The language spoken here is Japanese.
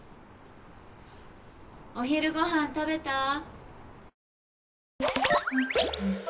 お昼ごはん食べた？